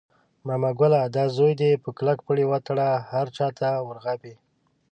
ماما ګله دا زوی دې په کلک پړي وتړله، هر چاته ور غاپي.